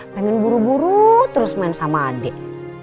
pengen buru buru terus main sama adik